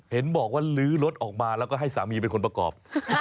เห็นบอกว่าลื้อรถออกมาแล้วก็ให้สามีเป็นคนประกอบ